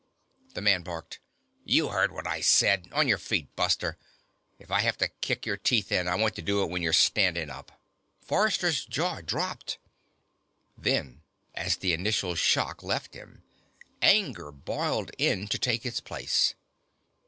The man barked: "You heard what I said! On your feet, buster! If I have to kick your teeth in, I want to do it when you're standing up!" Forrester's jaw dropped. Then, as the initial shock left him, anger boiled in to take its place.